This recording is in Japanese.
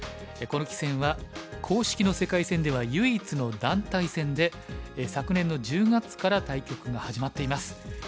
この棋戦は公式の世界戦では唯一の団体戦で昨年の１０月から対局が始まっています。